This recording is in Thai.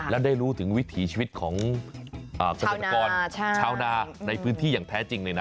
และได้รู้ถึงวิถีชีวิตของเกษตรกรชาวนาในพื้นที่อย่างแท้จริงเลยนะ